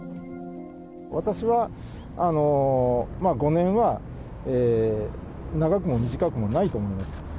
私は５年は長くも短くもないと思います。